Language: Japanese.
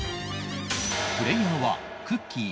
プレーヤーはくっきー！